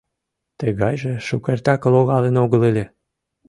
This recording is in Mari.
Тыгайже шукертак логалын огыл ыле.